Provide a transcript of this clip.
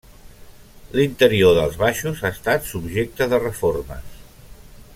L'interior dels baixos ha estat subjecte de reformes.